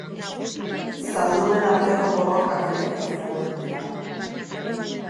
Zaldunen arteko borrokak ere izaten dira.